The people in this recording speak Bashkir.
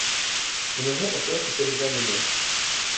Уныһы ошолай төшөрөлгән ине: